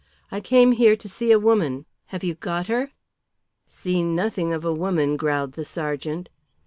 I came here to see a woman. Have you got her?" "Seen nothing of a woman," growled the sergeant.